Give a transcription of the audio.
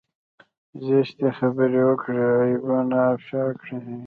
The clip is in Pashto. زشتې خبرې وکړي عيبونه افشا کړي.